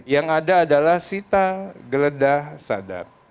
yang ada adalah sita geledah sadap